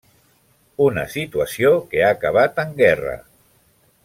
Una situació que ha acabat en guerra.